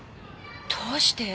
どうして？